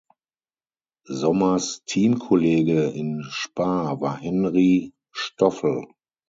Sommers Teamkollege in Spa war Henri Stoffel.